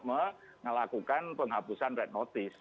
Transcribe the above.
melakukan penghapusan red notice